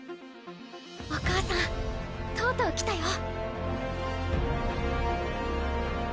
お母さんとうとう来たよ。